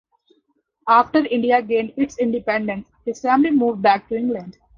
After India gained its independence, his family moved back to England.